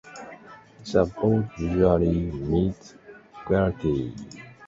The board usually meets quarterly.